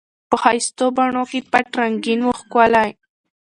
په ښایستو بڼو کي پټ رنګین وو ښکلی